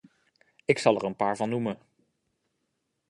Ik zal er een paar van noemen.